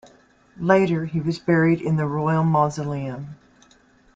Later he was buried in the royal mausoleum.